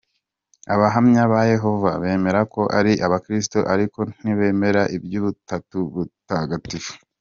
Abahamya ba Yehova bemera ko ari abakristu ariko ntibemera iby’ubutatu butagatifu .